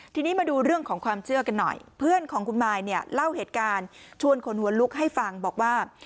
ทีนี้มาดูเรื่องของความเชื่อกันหน่อยเพื่อนของคุณมายเนี่ยเล่าเหตุการณ์ชวนคนหัวลุกให้ฟังบอกว่า